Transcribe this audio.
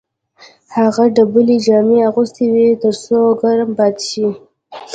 هغه ډبلې جامې اغوستې وې تر څو ګرم پاتې شي